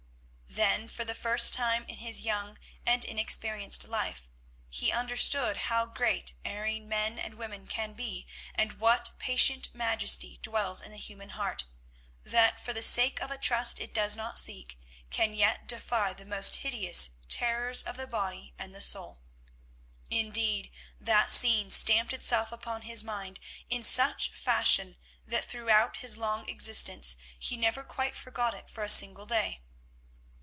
Then for the first time in his young and inexperienced life he understood how great erring men and women can be and what patient majesty dwells in the human heart, that for the sake of a trust it does not seek can yet defy the most hideous terrors of the body and the soul. Indeed, that scene stamped itself upon his mind in such fashion that throughout his long existence he never quite forgot it for a single day.